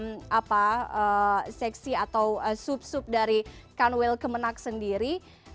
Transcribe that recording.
memonitor untuk terjun di lapangan melalui tadi seksi atau sub sub dari kanwil kemenak sendiri